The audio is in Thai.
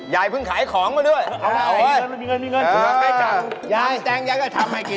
ยายเพิ่งขายของมาด้วยเอาล่ะมีเงิน